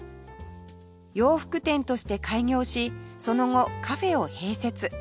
洋服店として開業しその後カフェを併設